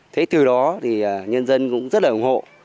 thế từ đó thì nhân dân cũng rất là ủng hộ